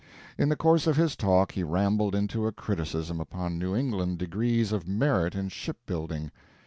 In the course of his talk he rambled into a criticism upon New England degrees of merit in ship building.